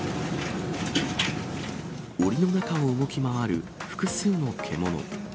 おりの中を動き回る複数の獣。